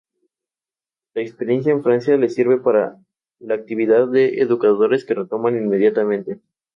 La superficie de la hoja está ligeramente forrada de manchas blancas.